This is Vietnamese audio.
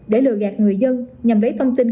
để lừa gạt người dân nhằm lấy thông tin